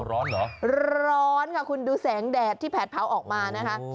ร้อนเหรอร้อนค่ะคุณดูแสงแดดที่แผดเผาออกมานะคะ